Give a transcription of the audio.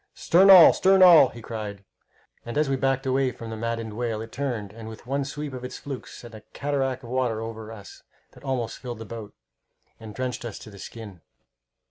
"Stern all! stern all!" he cried, and, as we backed away from the maddened whale, it turned and, with one sweep of its flukes, sent a cataract of water over us that almost filled the boat, and drenched us to the skin.